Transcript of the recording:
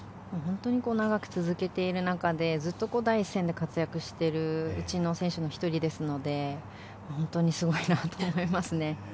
長く続けている中でずっと第一線で活躍している選手の１人ですので本当にすごいなと思いますね。